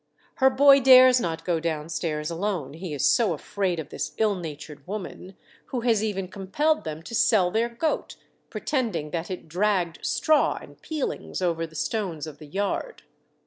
Her boy dares not go downstairs alone, he is so afraid of this ill natured woman, who has even compelled them to sell their goat, pretending that it dragged straw and peelings over the stones of the yard.